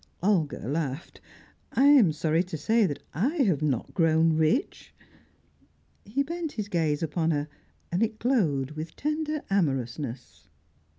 Olga laughed. "I am sorry to say that I have not grown rich." He bent his gaze upon her, and it glowed with tender amorousness.